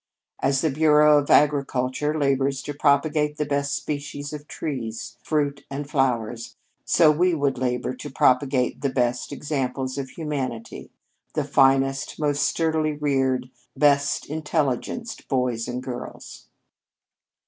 As the Bureau of Agriculture labors to propagate the best species of trees, fruit, and flowers, so we would labor to propagate the best examples of humanity the finest, most sturdily reared, best intelligenced boys and girls.